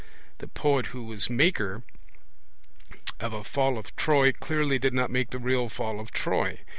The poet who was 'maker' of a Fall of Troy clearly did not make the real Fall of Troy.